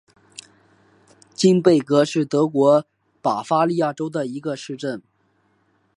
金贝格是德国巴伐利亚州的一个市镇。